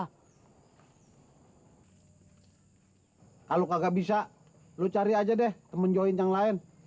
halo halo kagak bisa lu cari aja deh temen join yang lain